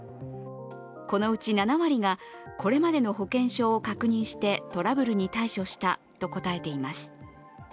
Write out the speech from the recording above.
このうち７割が、これまでの保険証を確認してトラブルに対処したと答えています。